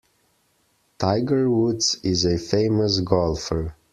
Tiger Woods is a famous golfer.